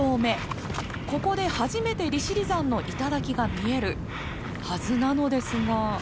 ここで初めて利尻山の頂が見えるはずなのですが。